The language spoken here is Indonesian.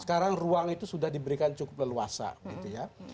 sekarang ruang itu sudah diberikan cukup leluasa gitu ya